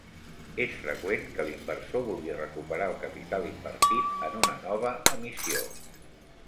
És freqüent que l'inversor vulgui recuperar el capital invertit en una nova emissió.